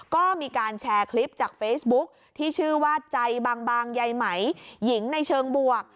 ก็มีการแชร์คลิปจากเฟซบุ๊คที่ชื่อว่าใจบางใยไหมหญิงในเชิงบวก